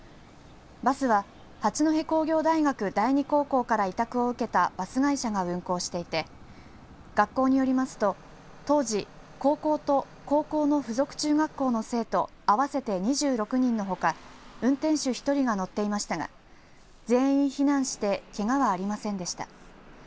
バスは八戸工業大学第二高校から委託を受けたバス会社が運行していて学校によりますと当時高校と高校の付属中学校の生徒合わせて２６人のほか運転手１人が乗っていましたが全員避難してけがはありませんでした。